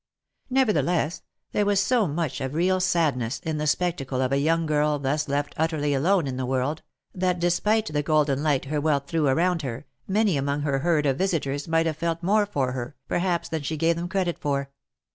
Nevertheless, there was so much of real sadness in the spectacle of a young girl thus left utterly alone in the world, that despite the golden light her wealth threw around her, many among her herd of visiters might have felt more for her, perhaps, than she gave them credit for.